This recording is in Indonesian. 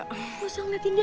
gak usah ngeliatin dia